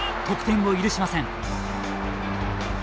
得点を許しません。